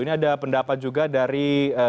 ini ada pendapat juga dari